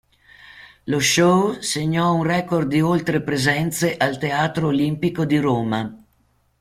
Lo show segnò un record di oltre presenze al Teatro Olimpico di Roma.